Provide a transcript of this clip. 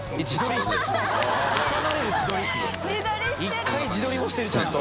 １回自撮りもしてるちゃんと。